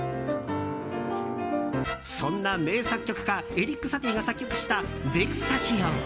そんな名作曲家エリック・サティが作曲した「ヴェクサシオン」。